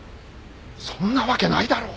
そんなわけないだろ！